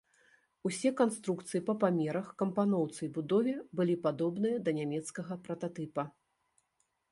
Усе канструкцыі па памерах, кампаноўцы і будове былі падобныя да нямецкага прататыпа.